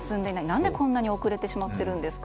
何でこんなに遅れてしまっているんですか。